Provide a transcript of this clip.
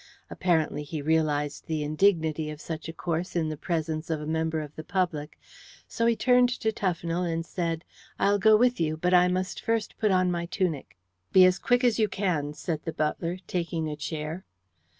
Apparently he realized the indignity of such a course in the presence of a member of the public, so he turned to Tufnell and said: "I'll go with you, but I must first put on my tunic." "Be as quick as you can," said the butler, taking a chair.